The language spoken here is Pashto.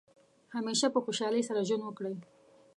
همیشه په خوشحالۍ سره ژوند وکړئ.